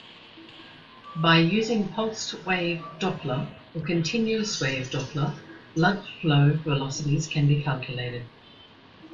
By using pulsed wave doppler or continuous wave doppler bloodflow velocities can be calculated.